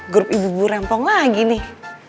grup ibu ibu rempong lagi nih